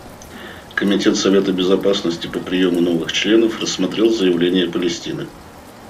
Комитет Совета Безопасности по приему новых членов рассмотрел заявление Палестины.